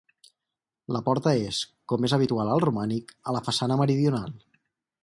La porta és, com és habitual al romànic, a la façana meridional.